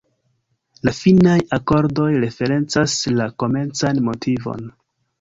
La finaj akordoj referencas la komencan motivon.